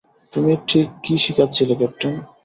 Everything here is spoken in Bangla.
তুমি ঠিক কী শেখাচ্ছিলে, ক্যাপ্টেন?